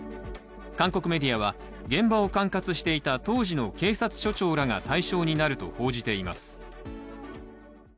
韓国メディアは、現場を管轄していた当時の警察署長らが対象になると報じています。